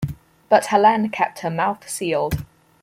But Helene kept her mouth sealed.